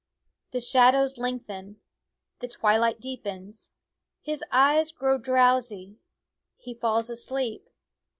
The shadows lengthen ; the twilight deepens ; his eyes grow drowsy ; he falls asleep.